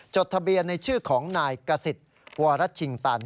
จดทะเบียนในชื่อของนายกษิตวรชิงตัน